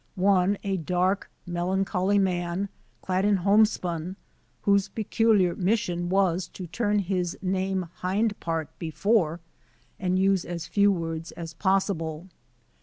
One a dark, melancholy man, clad in homespun, whose peculiar mission was to turn his name hind part before and use as few words as possible.